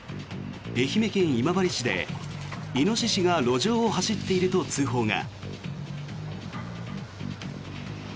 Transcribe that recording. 愛媛県今治市でイノシシが路上を走っていると通報が。